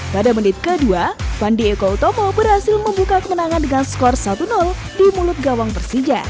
pada menit kedua fandi eko utomo berhasil membuka kemenangan dengan skor satu di mulut gawang persija